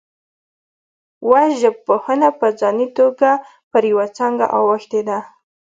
وژژبپوهنه په ځاني توګه پر یوه څانګه اوښتې ده